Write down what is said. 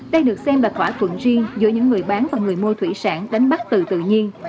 đây được xem là thỏa thuận riêng giữa những người bán và người mua thủy sản đánh bắt từ tự nhiên